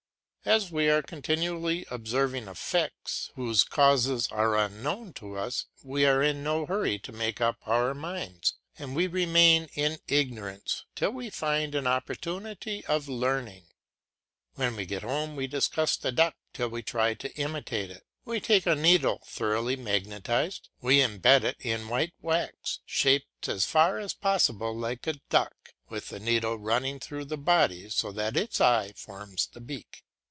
As we are continually observing effects whose causes are unknown to us, we are in no hurry to make up our minds, and we remain in ignorance till we find an opportunity of learning. When we get home we discuss the duck till we try to imitate it. We take a needle thoroughly magnetised, we imbed it in white wax, shaped as far as possible like a duck, with the needle running through the body, so that its eye forms the beak.